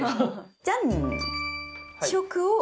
じゃん！